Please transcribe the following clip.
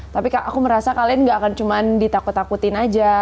tapi aku merasa kalian gak akan cuma ditakut takutin aja